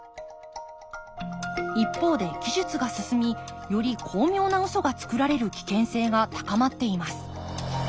一方で技術が進みより巧妙なウソがつくられる危険性が高まっています。